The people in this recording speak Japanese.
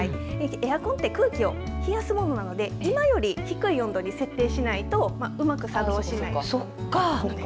エアコンって空気を冷やすものなので今より低い温度に設定しないとうまく作動しないんです。